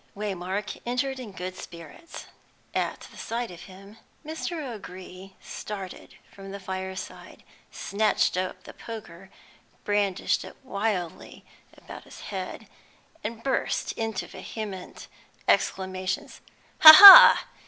Waymark entered in good spirits. At the sight of him, Mr. O'Gree started from the fireside, snatched up the poker, brandished it wildly about his head, and burst into vehement exclamations. "Ha! ha!